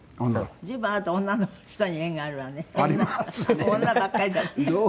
随分あなた女の人に縁があるわね。ありますね。